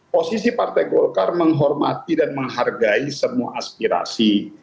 posisi partai golkar menghormati dan menghargai semua aspirasi